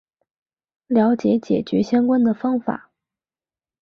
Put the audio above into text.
了解解决相关的方法